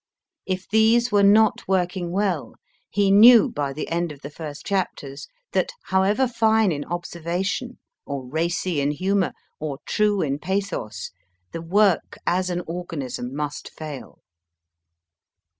If these were not working well, he knew by the end of the first chapters that, however fine in observation, or racy in humour, or true in pathos, the work as an organism must fail.